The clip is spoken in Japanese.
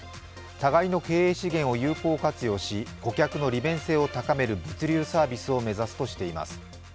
互いの経営資源を有効活用し顧客の利便性を高める物流サービスを目指すとしています。